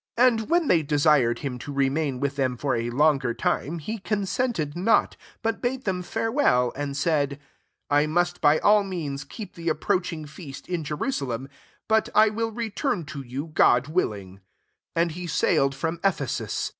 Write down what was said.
20 And when they desired him to remain with them for a longer time, he con sented not; 21 buV bade them farewel, and said, *^[/ must by all mean9 keeft the a/i/iroaehing /eaat, in Jerusalem ; but'] I will return to you, God willing." 22 And he sailed from Ephesus.